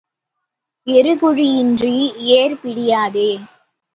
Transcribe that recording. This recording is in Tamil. எருக்குழியின்றி ஏர் பிடியாதே.